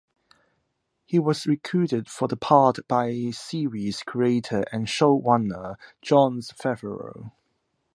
He was recruited for the part by series creator and showrunner Jon Favreau.